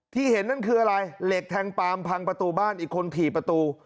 ที่เห็นนั่นคืออะไรเหล็กแทงปามพังประตูบ้านอีกคนถี่ประตู